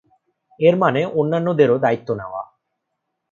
এর মানে অন্যান্যদেরও দায়িত্ব নেওয়া।